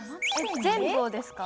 全部をですか？